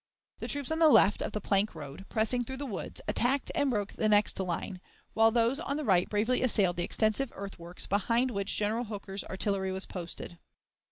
The troops on the left of the plank road, pressing through the woods, attacked and broke the next line, while those on the right bravely assailed the extensive earthworks behind which General Hooker's artillery was posted.